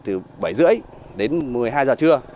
từ bảy h ba mươi đến một mươi hai giờ trưa